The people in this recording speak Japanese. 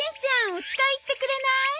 お使い行ってくれない？